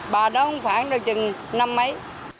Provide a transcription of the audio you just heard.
bà đó không khoảng đâu chừng năm mấy